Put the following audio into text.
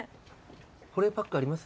保冷パックあります？